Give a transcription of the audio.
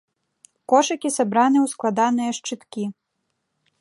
Кошыкі сабраны ў складаныя шчыткі.